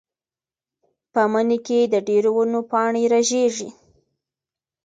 په مني کې د ډېرو ونو پاڼې رژېږي.